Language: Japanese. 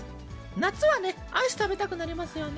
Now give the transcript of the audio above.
夏はね、アイス食べたくなりますよね。